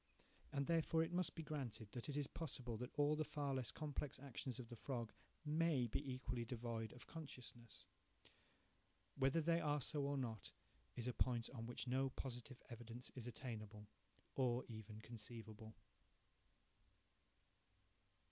And therefore it must be granted that it is possible that all the far less complex actions of the frog may be equally devoid of consciousness. Whether they are so or not, is a point on which no positive evidence is attainable, or even conceivable.